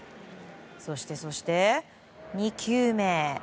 そして、そして２球目。